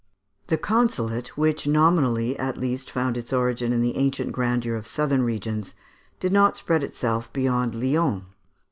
The consulate, which nominally at least found its origin in the ancient grandeur of southern regions, did not spread itself beyond Lyons.